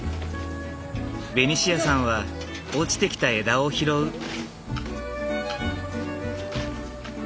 ベニシアさんは落ちてきた枝を拾う。